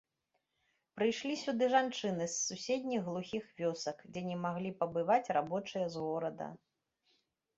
Прыйшлі сюды жанчыны з суседніх глухіх вёсак, дзе не маглі пабываць рабочыя з горада.